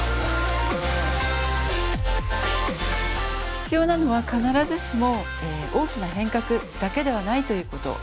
必要なのは必ずしも大きな変革だけではないということ。